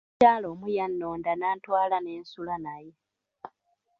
Omukyala omu yannonda n'antwala ne nsula naye.